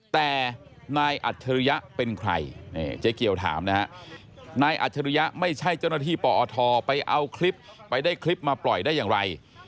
แต่นายอัจฉริยะเป็นใครเจ๊เกียวถามนะฮะนายอัจฉริยะไม่ใช่เจ้าหน้าที่ปอทไปเอาคลิปไปได้คลิปมาปล่อยได้อย่างไร